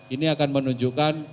ini akan menunjukkan